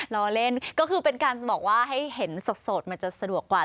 ล้อเล่นก็คือเป็นการบอกว่าให้เห็นสดมันจะสะดวกกว่า